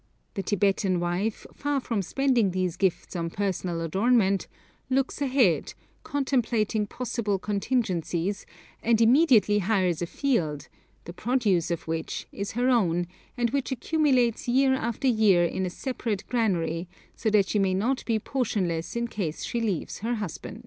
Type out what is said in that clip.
The Tibetan wife, far from spending these gifts on personal adornment, looks ahead, contemplating possible contingencies, and immediately hires a field, the produce of which is her own, and which accumulates year after year in a separate granary, so that she may not be portionless in case she leaves her husband!